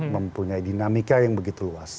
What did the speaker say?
mempunyai dinamika yang begitu luas